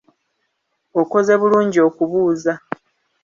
Okoze bulungi okubuuza.